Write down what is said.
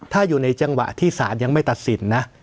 ถ้าอยู่ในจังหวะที่ศาลยังไม่ตัดสินนะ